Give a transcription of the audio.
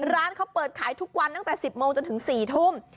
ร้านเขาเปิดขายทุกวันตั้งแต่๑๐โมงจนถึง๔ทุ่ม